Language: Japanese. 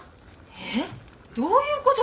えっ？どういうことで！？